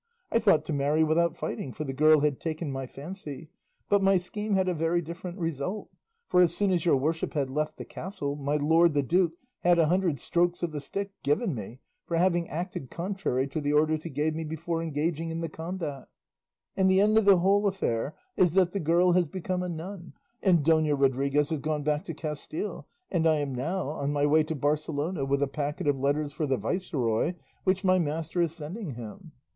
I thought to marry without fighting, for the girl had taken my fancy; but my scheme had a very different result, for as soon as your worship had left the castle my lord the duke had a hundred strokes of the stick given me for having acted contrary to the orders he gave me before engaging in the combat; and the end of the whole affair is that the girl has become a nun, and Dona Rodriguez has gone back to Castile, and I am now on my way to Barcelona with a packet of letters for the viceroy which my master is sending him.